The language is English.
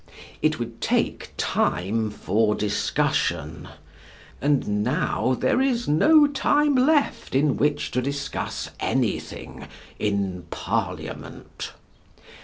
It would take time for discussion, and now there is no time left in which to discuss anything in Parliament.